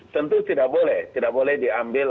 tentu tidak boleh tidak boleh diambil